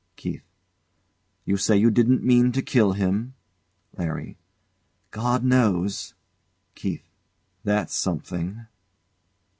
KEITH. You say you didn't mean to kill him. LARRY. God knows. KEITH. That's something.